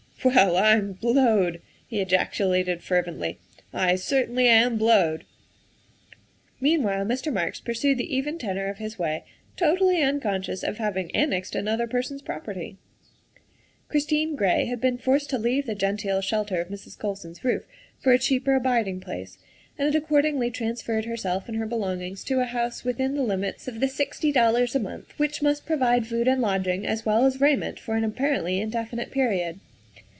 "Well, I'm blowed!" he ejaculated fervently, "I certainly am blowed !'' Meanwhile Mr. Marks pursued the even tenor of his way, totally unconscious of having annexed another per son 's property. Christine Gray had been forced to leave the genteel THE SECRETARY OF STATE 83 shelter of Mrs. Colson's roof for a cheaper abiding place, and had accordingly transferred herself and her belong ings to a house within the limits of the sixty dollars a month which must provide food and lodging as well as raiment for an apparently indefinite period.